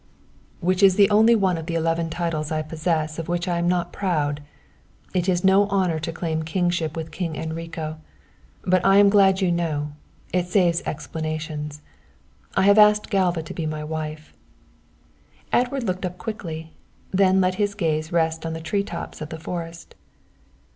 " which is the only one of the eleven titles I possess of which I am not proud. It is no honour to claim kinship with King Enrico. But I am glad you know, it saves explanations I have asked Galva to be my wife." Edward looked up quickly, then let his gaze rest on the tree tops of the forest.